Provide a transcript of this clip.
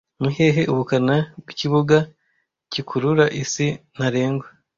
Nihehe ubukana bwikibuga cyikurura isi ntarengwa